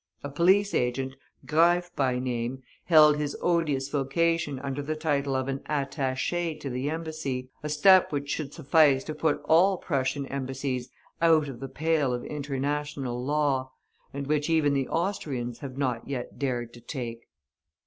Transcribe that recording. A police agent, Greif by name, held his odious vocation under the title of an attaché to the Embassy a step which should suffice to put all Prussian embassies out of the pale of international law, and which even the Austrians have not yet dared to take.